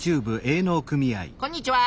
こんにちは。